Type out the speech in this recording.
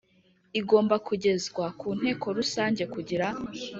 igomba kugezwa ku Inteko Rusange kugira